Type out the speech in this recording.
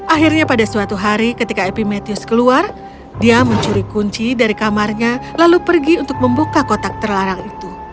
akhirnya pada suatu hari ketika epimetheus keluar dia mencuri kunci dari kamarnya lalu pergi untuk membuka kotak terlarang itu